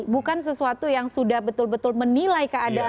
bukan sesuatu yang sudah betul betul menilai keadaan